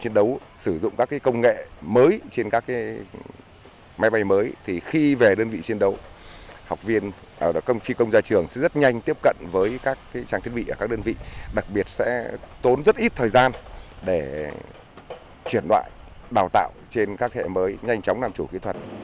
chiến đấu sử dụng các công nghệ mới trên các máy bay mới